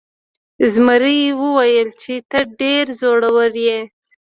زمري وویل چې ته ډیر زړور یې.